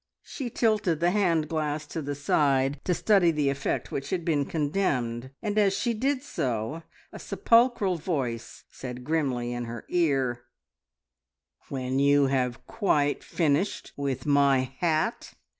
She tilted the hand glass to the side to study the effect which had been condemned, and as she did so, a sepulchral voice said grimly in her ear, "When you have quite finished with my hat!"